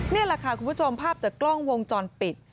นี่แหละค่ะคุณผู้ชมภาพจากกล้องวงจรปิด